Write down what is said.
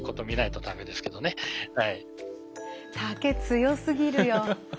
竹強すぎるよ。